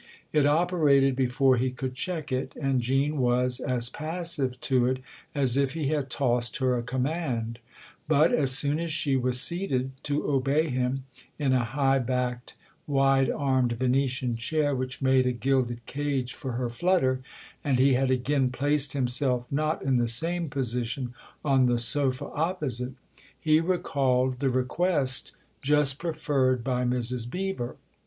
It operated before he could check it, and Jean was as passive to it as if he had tossed her a command ; but as soon as she was seated, to obey him, in a high backed, wide armed Venetian chair which made a gilded cage for her flutter, and he had again placed himself not in the same position on the sofa opposite, he recalled the request just preferred by Mrs. Beever.